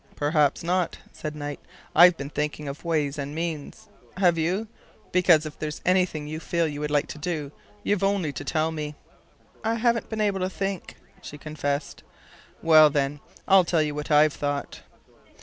"Perhaps not," said Knight. "I've been thinking of ways and means. Have you? Because if there's anything you feel you would like to do, you've only to tell me." "I haven't been able to think," she confessed. "Well, then, I'll tell you what I've thought."